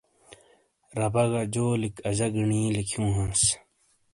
ربہ گہ جولیک اجہ گنی لکھیوں ہانس۔